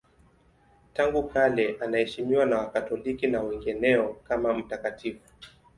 Tangu kale anaheshimiwa na Wakatoliki na wengineo kama mtakatifu.